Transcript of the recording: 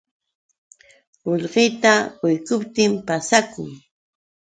Qullqita quykuptin pasakun.